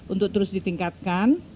untuk terus ditingkatkan